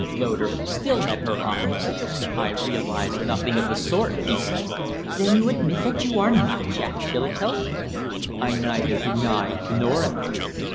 Loder still met her eyes. "I realize nothing of the sort," he said. "Then you admit that you are not Jack Chilcote?" "I neither deny nor admit.